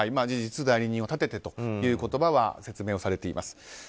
事実、代理人を立ててという言葉は説明もされています。